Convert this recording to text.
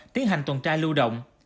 tiến hành tuần tra lưu động